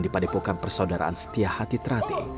di padepokan persaudaraan setia hati terati